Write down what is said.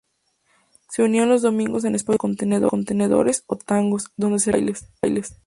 Se reunían los domingos en espacios llamados "contenedores" o "tangos", donde se realizan bailes.